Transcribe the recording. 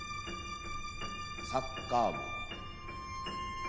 サッカー部。